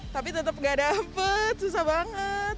tapi tetap gak dapet susah banget